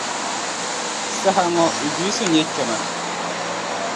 Saha ŋɔ Iddrisu n-nyɛ kpɛma.